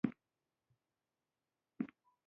افغانستان په نړیواله کچه د نورستان له امله ډیر شهرت لري.